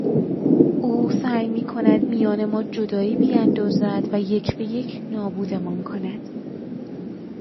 او سعی میکند میان ما جدایی بیاندازد و یک به یک نابودمان کند.